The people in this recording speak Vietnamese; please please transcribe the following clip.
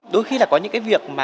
đôi khi là có những việc mà